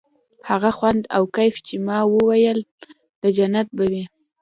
هغه خوند او کيف چې ما ويل د جنت به وي.